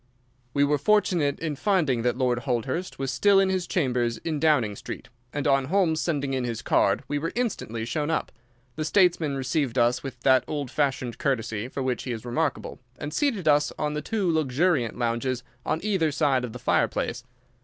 We were fortunate in finding that Lord Holdhurst was still in his chambers in Downing Street, and on Holmes sending in his card we were instantly shown up. The statesman received us with that old fashioned courtesy for which he is remarkable, and seated us on the two luxuriant lounges on either side of the fireplace.